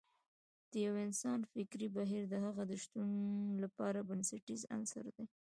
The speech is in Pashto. د يو انسان فکري بهير د هغه د شتون لپاره بنسټیز عنصر دی.